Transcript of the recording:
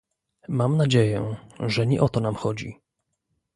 Mam nadzieję, że nie o to nam chodzi